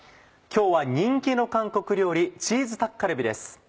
今日は人気の韓国料理「チーズタッカルビ」です。